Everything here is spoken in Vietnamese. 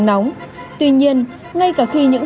làm tăng thân nhiệt gây cảm giác nóng